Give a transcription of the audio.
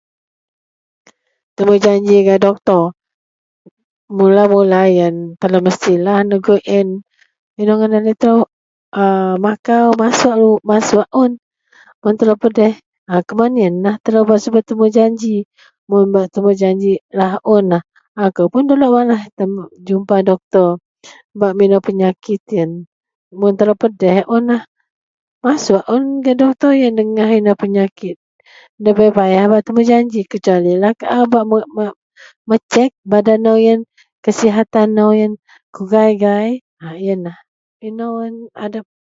Temujanji gak doktor, mula-mula yen telou mestilah negui en, inou ngadan itou... A makau masuk un. Un telou pedeh, an kuman yenlah bak subet temujanji. Mun bak temujanji lah un lah, akoupun delok tan bak jumpa doktor bak minou penyakit yen. Mun telou pedeh in lah, masuok un gak doktor yen dengah ino penyakit. Bak paya-paya bak temujanji kecualilah mecek badan nou yen kesihatan nou yen kugai-gai. [a]... Yenlah inou adep